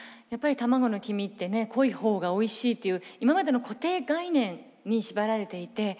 やっぱり卵の黄身ってね濃い方がおいしいっていう今までの固定概念に縛られていて。